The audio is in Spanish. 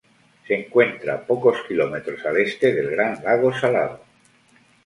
Se encuentra pocos kilómetros al este del Gran Lago Salado.